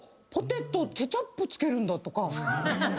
ポテトケチャップ付けるんだとか。